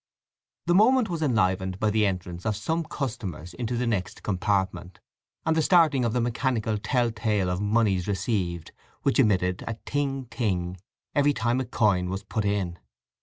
The moment was enlivened by the entrance of some customers into the next compartment, and the starting of the mechanical tell tale of monies received, which emitted a ting ting every time a coin was put in.